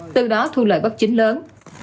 từ đó thu lợi bắt chính lớn